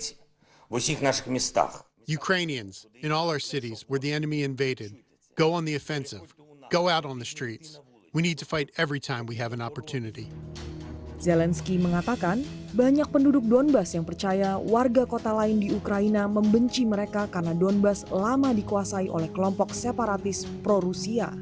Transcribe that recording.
zelensky mengatakan banyak penduduk donbass yang percaya warga kota lain di ukraina membenci mereka karena donbass lama dikuasai oleh kelompok separatis pro rusia